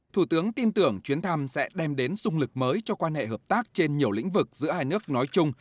thủ tướng tin tưởng chuyến thăm sẽ đem đến sung lực mới cho quan hệ hợp tác trên nhiều lĩnh vực giữa hai nước nói chung